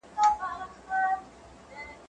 زه کتابونه وړلي دي؟!